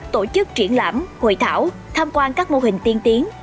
tổ chức triển lãm hội thảo tham quan các mô hình tiên tiến